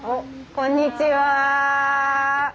こんにちは。